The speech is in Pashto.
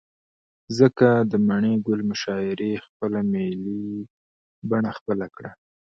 ځكه د مڼې گل مشاعرې خپله ملي بڼه خپله كړه.